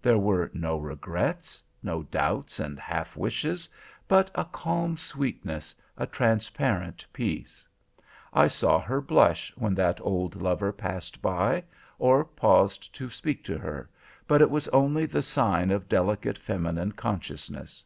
There were no regrets, no doubts and half wishes, but a calm sweetness, a transparent peace. I saw her blush when that old lover passed by, or paused to speak to her, but it was only the sign of delicate feminine consciousness.